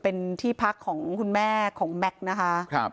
เป็นที่พักของคุณแม่ของแม็กซ์นะคะ